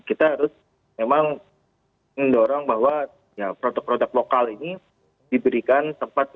kita harus memang mendorong bahwa produk produk lokal ini diberikan tempat